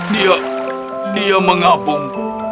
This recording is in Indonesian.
dia dia mengabung